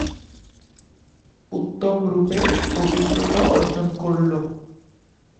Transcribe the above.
উত্তমরূপে পবিত্রতা অর্জন করল।